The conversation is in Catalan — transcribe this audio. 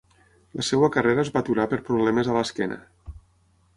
La seva carrera es va aturar per problemes a l'esquena.